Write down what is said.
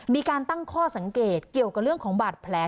มีการตั้งข้อสังเกตเกี่ยวกับเรื่องของบาดแผล